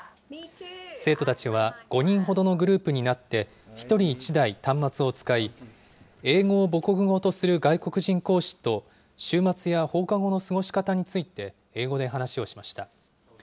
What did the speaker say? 生徒たちは５人ほどのグループになって、１人１台端末を使い、英語を母国語とする外国人講師と、週末や放課後の過ごし方について英語で話をしました。